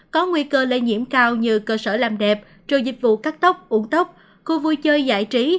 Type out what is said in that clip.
có nguy cơ lây nhiễm cao như cơ sở làm đẹp trừ dịch vụ cắt tóc uống tốc khu vui chơi giải trí